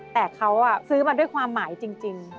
แต่เขาซื้อมาด้วยความหมายจริง